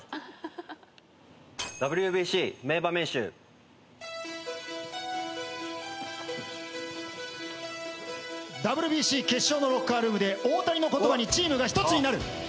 『ＳｅｐａｒａｔｅＷａｙｓ』・ＷＢＣ決勝のロッカールームで大谷の言葉にチームが１つになる。